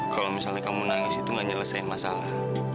kalau misalnya kamu nangis itu gak nyelesain masalah